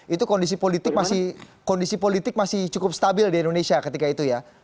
itu kondisi politik masih cukup stabil di indonesia ketika itu ya